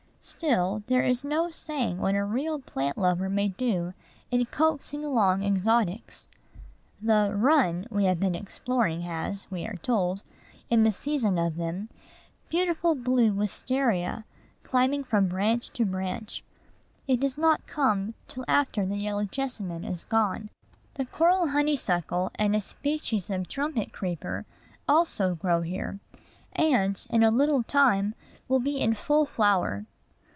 Still there is no saying what a real plant lover may do in coaxing along exotics. The "run" we have been exploring has, we are told, in the season of them, beautiful blue wisteria climbing from branch to branch. It does not come till after the yellow jessamine is gone. The coral honeysuckle and a species of trumpet creeper also grow here, and, in a little time, will be in full flower.